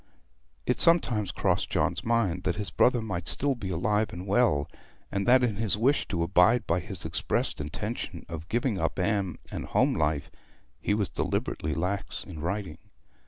It sometimes crossed John's mind that his brother might still be alive and well, and that in his wish to abide by his expressed intention of giving up Anne and home life he was deliberately lax in writing.